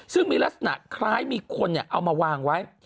ซึ่งมีลักษณะคล้ายมีคนเอามาวางไว้